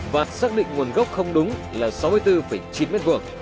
và xác định nguồn gốc không đúng là sáu mươi bốn chín m hai